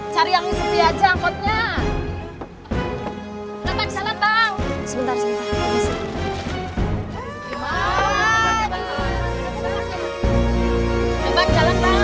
coba jalan bang